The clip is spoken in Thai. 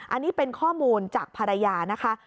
อันนี้เป็นข้อมูลจากภรรยานะคะ